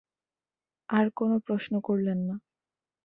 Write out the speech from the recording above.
আর কোনো প্রশ্ন করলেন না।